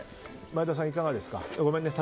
前田さん、いかがですか？